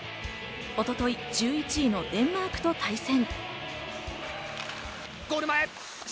一昨日、１１位のデンマークと対戦。